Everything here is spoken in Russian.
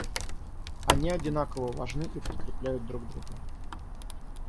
Они одинаково важны и подкрепляют друг друга.